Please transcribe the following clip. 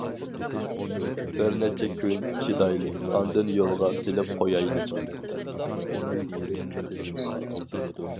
بىر نەچچە كۈن چىدايلى ئاندىن يولغا سېلىپ قويايلى.